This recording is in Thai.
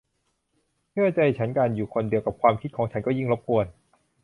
เชื่อใจฉันการอยู่คนเดียวกับความคิดของฉันก็ยิ่งรบกวน